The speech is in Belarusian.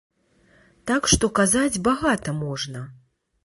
Так што казаць багата можна.